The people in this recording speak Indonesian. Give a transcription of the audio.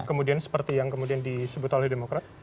kemudian seperti yang kemudian disebut oleh demokrat